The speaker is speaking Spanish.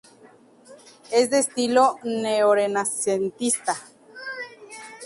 Es de estilo neorenacentista.